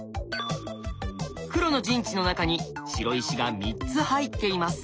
黒の陣地の中に白石が３つ入っています。